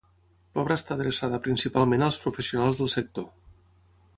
L'obra està adreçada principalment als professionals del sector.